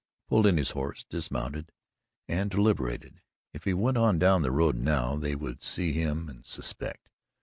He pulled in his horse, dismounted and deliberated. If he went on down the road now, they would see him and suspect.